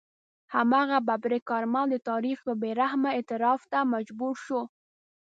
هماغه ببرک کارمل د تاریخ یو بې رحمه اعتراف ته مجبور شو.